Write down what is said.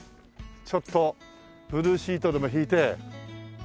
ちょっとブルーシートでも敷いて昼飯とか。